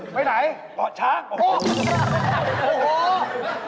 ไปไหนเกาะช้างโอ้โฮโอ้โฮ